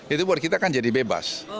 itu buat kita kan jadi bebas